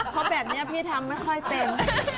เพราะแบบนี้พี่ทำไม่ค่อยเป็น